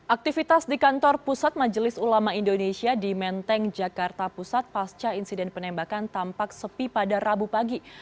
aktivitas di kantor pusat majelis ulama indonesia di menteng jakarta pusat pasca insiden penembakan tampak sepi pada rabu pagi